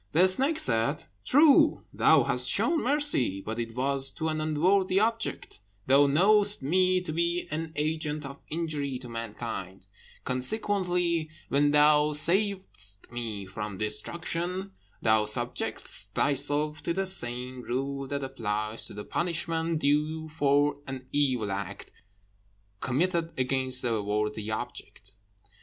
The snake said, "True, thou hast shown mercy, but it was to an unworthy object; thou knowest me to be an agent of injury to mankind, consequently, when thou savedst me from destruction, thou subjectedst thyself to the same rule that applies to the punishment due for an evil act committed against a worthy object.